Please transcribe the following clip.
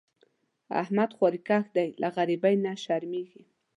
احمد خواریکښ دی؛ له غریبۍ نه شرمېږي.